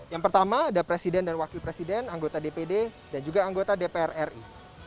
yang pertama ada presiden dan wakil presiden anggota dpd dan juga anggota dpr ri